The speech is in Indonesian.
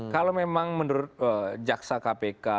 kalau memang menurut jaksa kpk